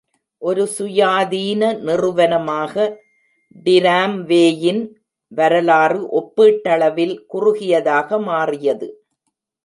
ஒரு சுயாதீன நிறுவனமாக டிராம்வேயின் வரலாறு ஒப்பீட்டளவில் குறுகியதாக மாறியது.